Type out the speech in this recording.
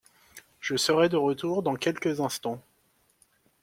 Je serai de retour dans quelques instants.